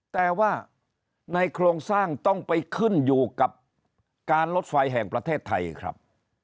แต่ว่าในโครงสร้างต้องไปขึ้นอยู่กับการรถไฟแห่งประเทศไทยครับ